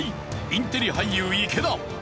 インテリ俳優池田。